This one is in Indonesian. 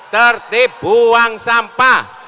tertib buang sampah